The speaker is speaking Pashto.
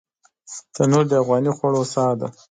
تنور د افغاني خوړو ساه ده